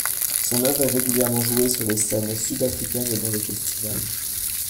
Son œuvre est régulièrement jouée sur les scènes sud-africaines et dans les festivals.